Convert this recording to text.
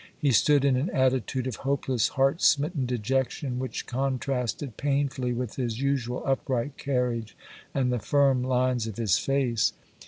He stood in an attitude of hopeless, heart smitten dejection, which contrasted painfully with his usual upright carriage and the firm lines of his face.